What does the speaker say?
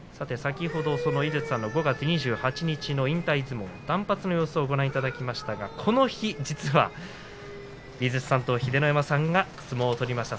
先ほど、井筒さんの５月２８日の引退相撲、断髪の様子をご覧いただきましたがこの日、実は井筒さんと秀ノ山さんが相撲を取りました。